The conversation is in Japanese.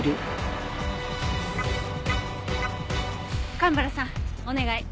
蒲原さんお願い。